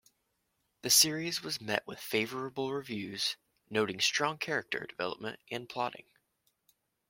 The series was met with favorable reviews, noting strong character development and plotting.